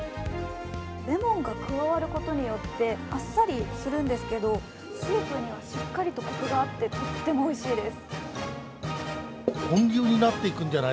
レモンが加わることによってあっさりするんですけどスープにはしっかりコクがあってとてもおいしいです。